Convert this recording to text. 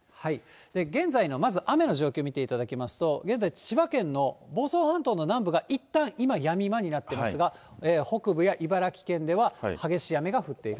現在のまず雨の状況見ていただきますと、現在、千葉県の房総半島の南部がいったん、今、やみ間になってますが、北部や茨城県では激しい雨が降っている。